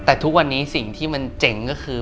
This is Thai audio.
แต่ทุกวันนี้สิ่งที่มันเจ๋งก็คือ